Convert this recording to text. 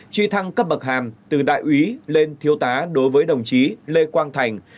truy thăng cấp bậc hàm từ đại úy lên thiếu tá đối với đồng chí lê quang thành